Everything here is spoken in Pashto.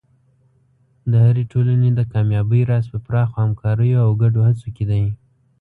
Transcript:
د هرې ټولنې د کامیابۍ راز په پراخو همکاریو او ګډو هڅو کې دی.